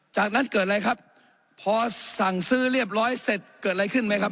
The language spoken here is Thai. จากนั้นเกิดอะไรครับพอสั่งซื้อเรียบร้อยเสร็จเกิดอะไรขึ้นไหมครับ